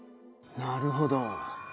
なるほど。